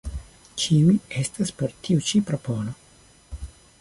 Ĉiuj estas por tiu ĉi propono.